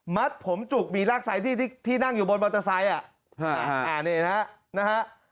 ผมจุกมีรากไซดที่ที่นั่งอยู่บนมอเตอร์ไซค์นี่นะฮะ